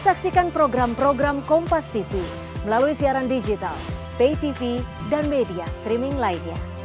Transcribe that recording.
saksikan program program kompastv melalui siaran digital paytv dan media streaming lainnya